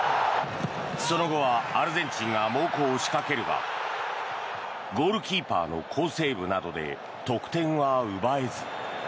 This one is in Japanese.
その後はアルゼンチンが猛攻を仕掛けるがゴールキーパーの好セーブなどで得点は奪えず。